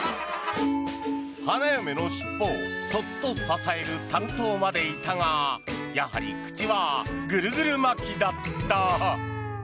花嫁の尻尾をそっと支える担当までいたがやはり口はぐるぐる巻きだった。